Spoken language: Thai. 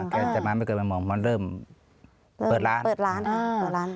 แกจัดร้านไม่เกิดบ่ายโมงมันเริ่มเปิดร้านเปิดร้านค่ะเปิดร้าน